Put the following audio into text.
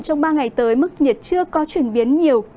trong ba ngày tới mức nhiệt chưa có chuyển biến nhiều